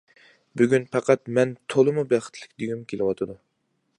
بۈگۈن پەقەت، مەن تولىمۇ بەختلىك دېگۈم كېلىۋاتىدۇ.